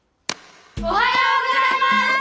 おはようございます！